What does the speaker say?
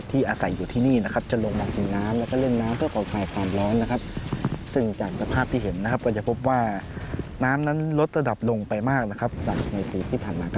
มีแหล่งน้ำทั้งหมดกว่า๔๐ประเภท